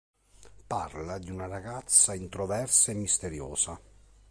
Parla di una ragazza introversa e misteriosa.